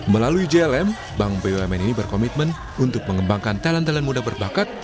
melalui jlm bank bumn ini berkomitmen untuk mengembangkan talent talent muda berbakat